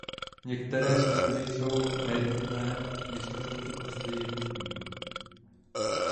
Některé skupiny jsou nejednotné, my jsme v tomto postoji jednotní.